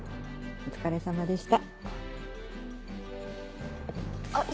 お疲れさまでした。